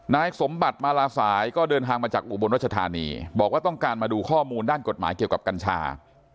นายสมบัติมาลาสายก็เดินทางมาจากอุบลรัชธานีบอกว่าต้องการมาดูข้อมูลด้านกฎหมายเกี่ยวกับกัญชา